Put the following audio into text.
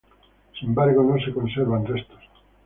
Sin embargo, no se conservan restos.